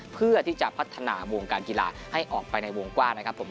เพื่อที่จะพัฒนาวงการกีฬาให้ออกไปในวงกว้างนะครับผม